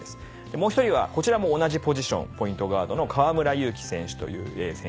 もう１人はこちらも同じポジションポイントガードの河村勇輝選手という選手で。